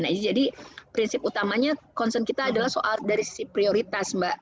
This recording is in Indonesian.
nah jadi prinsip utamanya concern kita adalah soal dari sisi prioritas mbak